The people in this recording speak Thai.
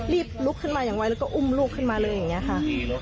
รีบลุกขึ้นมาอย่างไว้แล้วก็อุ้มลูกขึ้นมาเลยอย่างนี้ค่ะ